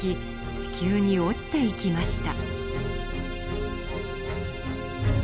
地球に落ちていきました。